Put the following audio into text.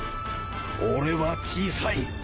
俺は小さい。